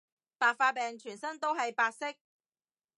白化病全身都係白色